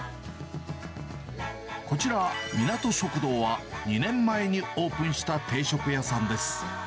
こちら、みなと食堂は、２年前にオープンした定食屋さんです。